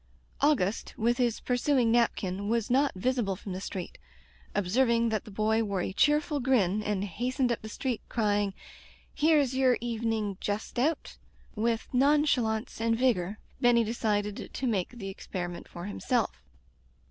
Augustc, with his pursuing napkin, was not visible from the street. Ob serving that the boy wore a cheerful grin and hastened up the street crying, "Here's ycr evening Just Out,*' with nonchalance and vigor^ Benny decided to make the experi ment for himself.